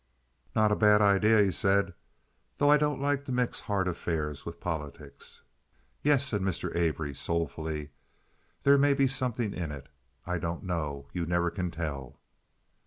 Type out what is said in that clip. "Not a bad idea," he said, "though I don't like to mix heart affairs with politics." "Yes," said Mr. Avery, soulfully, "there may be something in it. I don't know. You never can tell."